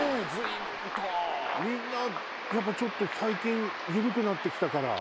みんなちょっと最近緩くなって来たから。